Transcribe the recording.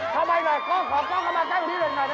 เข้าไปหน่อยกล้องข้อมันใกล้ตรงนี้หน่อยหน่อยทำไม